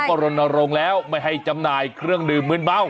ก็รณรงค์แล้วไม่ให้จำหน่ายเครื่องดื่มมืนเมา